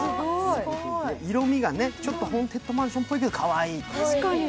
色味がちょっとホーンテッドマンションぽいけど、かわいい。